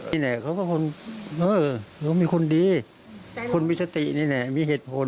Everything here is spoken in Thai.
นี่แหละเขาเป็นคนมีคุณดีคุณมีสตินี่แหละมีเหตุผล